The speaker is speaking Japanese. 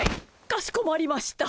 かしこまりました。